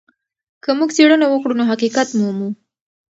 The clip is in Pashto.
که موږ څېړنه وکړو نو حقيقت مومو.